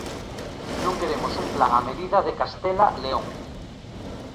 Non queremos un plan á medida de Castela-León.